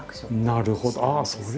なるほど。